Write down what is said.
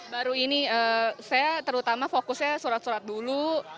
baru ini saya terutama fokusnya surat surat dulu